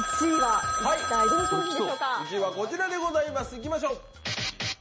１位はこちらでございます。